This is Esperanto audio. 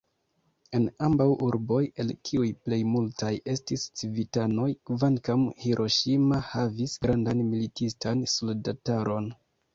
En ambaŭ urboj, el kiuj plejmultaj estis civitanoj, kvankam Hiroŝima havis grandan militistan soldataron.